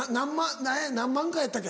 何万回やったっけ？